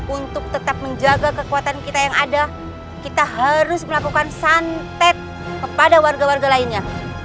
untuk tetap menjaga kekuatan kita yang ada kita harus melakukan santet kepada warga warga lainnya